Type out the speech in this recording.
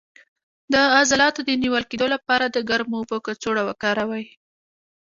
د عضلاتو د نیول کیدو لپاره د ګرمو اوبو کڅوړه وکاروئ